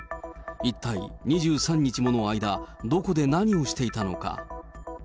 一体、２３日もの間、どこで何をしていたのか。